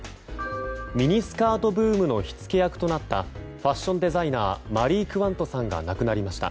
ミニスカートブームの火付け役となったファッションデザイナーマリー・クワントさんが亡くなりました。